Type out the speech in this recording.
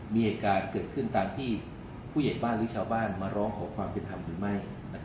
มีเหตุการณ์เกิดขึ้นตามที่ผู้ใหญ่บ้านหรือชาวบ้านมาร้องขอความเป็นธรรมหรือไม่